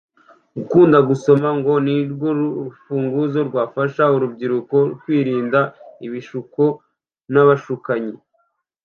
Gukunda gusoma ngo ni rwo rufunguzo rwafasha urubyiruko kwirinda ibishuko n’abashukanyi